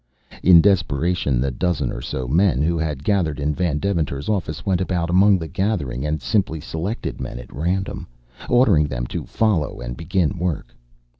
In desperation the dozen or so men who had gathered in Van Deventer's office went about among the gathering and simply selected men at random, ordering them to follow and begin work.